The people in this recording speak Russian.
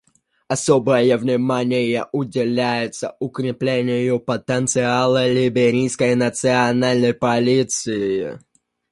Особое внимание уделяется укреплению потенциала Либерийской национальной полиции.